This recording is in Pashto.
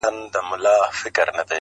حقيقت ورو ورو ښکاره کيږي تل-